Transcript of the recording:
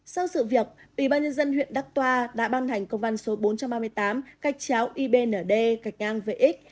sau sự việc ủy ban nhân dân huyện đắc toa đã ban hành công văn số bốn trăm ba mươi tám cách cháo ibnd cách ngang vx